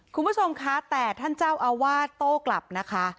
คุณผู้ชมคะแต่ท่านเจ้าอาวาสโต้กลับนะคะ